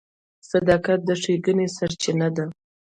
• صداقت د ښېګڼې سرچینه ده.